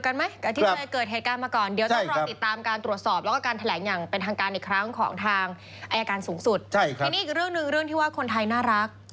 ทีนี้อีกเรื่องหนึ่งเรื่องที่ว่าคนไทยน่ารัก